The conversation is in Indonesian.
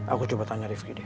aku coba tanya rifki nih